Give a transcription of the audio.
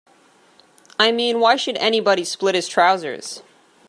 I mean, why should anybody split his trousers?